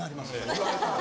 言われたら。